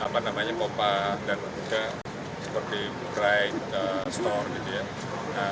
apa namanya pop up dan juga seperti book ride store gitu ya